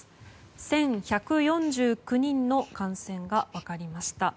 １１４９人の感染が分かりました。